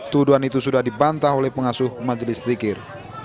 tuduhan itu sudah dibantah oleh pengasuh majelis zikir